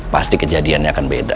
pasti kejadiannya akan beda